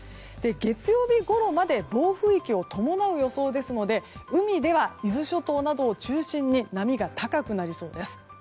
月曜日ごろまで暴風域を伴う予想ですので海では、伊豆諸島などを中心に波が高くなりそうです。